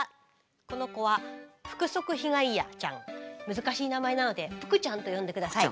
難しい名前なので腹ちゃんと呼んで下さい。